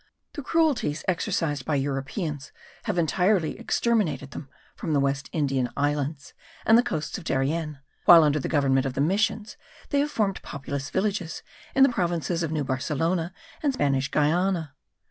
The cruelties exercised by Europeans have entirely exterminated them from the West Indian Islands and the coasts of Darien; while under the government of the missions they have formed populous villages in the provinces of New Barcelona and Spanish Guiana.